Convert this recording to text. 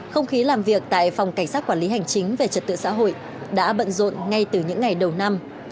không khí làm việc tại phòng cảnh sát quản lý hành chính về trật tự xã hội đã bận rộn ngay từ những ngày đầu năm